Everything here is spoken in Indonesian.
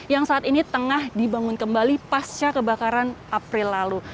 yang saat ini tengah dibangun kembali pasca kebakaran april lalu